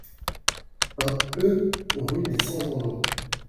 un E rue des Cent Journaux